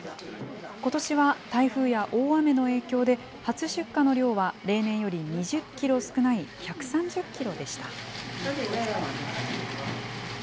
ことしは台風や大雨の影響で、初出荷の量は例年より２０キロ少ない１３０キロでした。